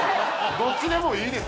どっちでもいいです。